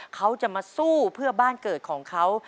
เขาจะมาสู้เพื่อบ้านเกิดของเขา